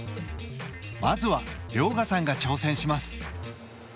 まずは遼河さんが挑戦します。